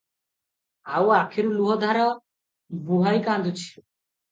ଆଉ ଆଖିରୁ ଲୁହ ଧାରା ବୁହାଇ କାନ୍ଦୁଛି ।